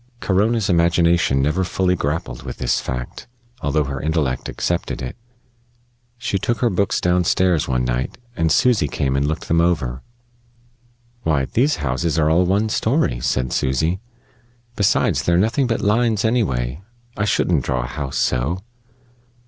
Corona's imagination never fully grappled with this fact, although her intellect accepted it. She took her books down stairs one night, and Susy came and looked them over. "Why, these houses are all one story," said Susy. "Besides, they're nothing but lines, anyway. I shouldn't draw a house so."